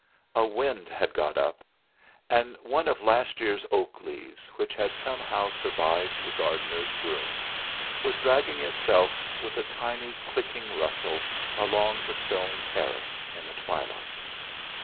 A wind had got up, and one of last year's oak leaves which had somehow survived the gardener's brooms, was dragging itself with a tiny clicking rustle along the stone terrace in the twilight.